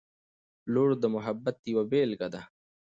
• لور د محبت یوه بېلګه ده.